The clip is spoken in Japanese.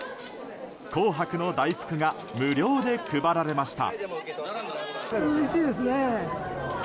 紅白の大福が無料で配られました。